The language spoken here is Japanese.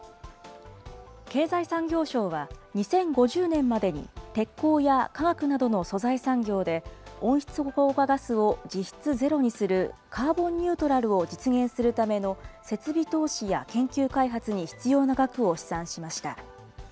経済産業省は、２０５０年までに鉄鋼や化学などの素材産業で、温室効果ガスを実質ゼロにするカーボンニュートラルを実現するための設備投資や研究開発に必要な額を試算しました。